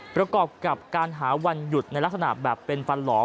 ประกอบกับการหาวันหยุดในลักษณะแบบเป็นฟันหลอม